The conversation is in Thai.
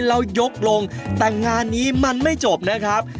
ยกลงแต่งานนี้มันไม่จบนะครับ